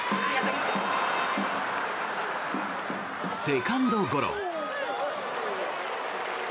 セカンドゴロ。